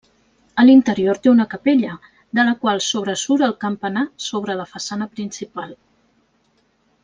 A l'interior té una capella, de la qual sobresurt el campanar sobre la façana principal.